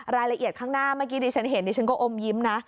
รายละเอียดข้างหน้าเมื่อกี้ดิฉันเห็นดิฉันก็อมยิ้มนะ